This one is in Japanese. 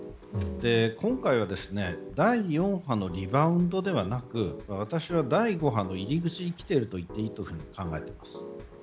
今回は第４波のリバウンドではなく私は第５波の入り口に来ているといっていいと考えています。